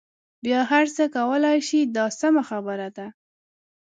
بیا هر څه کولای شئ دا سمه خبره ده.